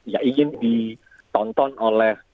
ya ingin ditonton oleh